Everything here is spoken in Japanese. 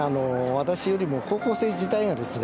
私よりも高校生自体がですね